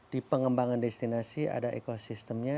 di pengembangan destinasi ada ekosistemnya